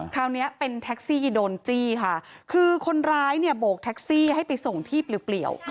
คราวนี้เป็นแท็กซี่โดนจี้ค่ะคือคนร้ายเนี่ยโบกแท็กซี่ให้ไปส่งที่เปลี่ยว